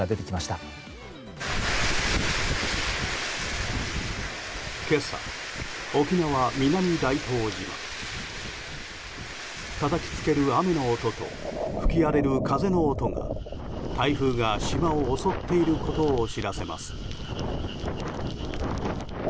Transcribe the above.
たたきつける雨の音と吹き荒れる風の音が台風が島を襲っていることを知らせます。